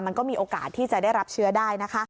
มันก็มีโอกาสที่จะได้รับเชื้อได้นะคะ